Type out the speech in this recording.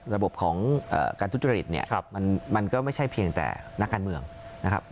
ระบบของการทุจริตเนี่ยมันก็ไม่ใช่เพียงแต่นักการเมืองนะครับ